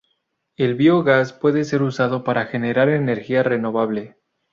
El biogás puede ser usado para generar energía renovable.